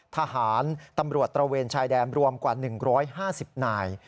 ทหารตำรวจตระเวนชายแดนรวมกว่า๑๕๐นาย